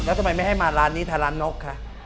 แล้วทำไมไม่ให้มาร้านนี้ทาร้านนกคะ